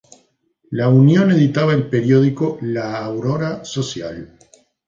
La Unión editaba el periódico "La Aurora Social".